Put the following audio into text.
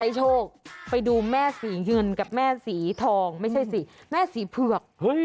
โชคไปดูแม่สีเงินกับแม่สีทองไม่ใช่สิแม่สีเผือก